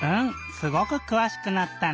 すごくくわしくなったね。